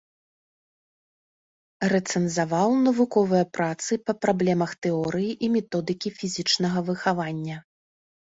Рэцэнзаваў навуковыя працы па праблемах тэорыі і методыкі фізічнага выхавання.